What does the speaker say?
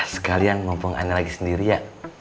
sekalian mampu ana lagi sendiri ya